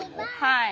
はい。